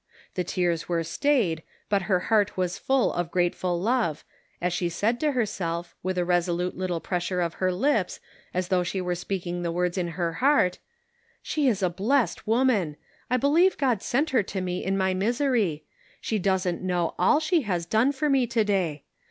The tears were stayed, but her heart was full Serving Christ in the Kitchen. 819 of grateful love, as she said to herself, with a resolute little pressure of her lips, as though she were speaking the words in her heart: "She is a blessed woman; I believe God sent her to me in my misery ; she doesn't know all she has done for me today.